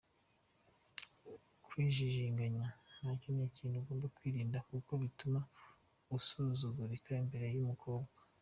Kujijinganya nacyo ni ikintu ugomba kwirinda kuko bituma usuzugurika imbere y’umukobwa.